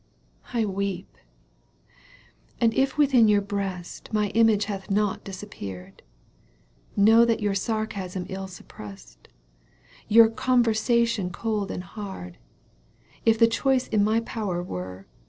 I weep. And if within your breast My image hath not disappeared, Know that your sarcasm ill suppressed, Your conversation cold and hard, If the choice in my power were.